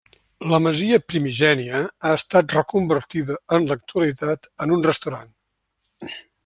La masia primigènia ha estat reconvertida en l'actualitat en un restaurant.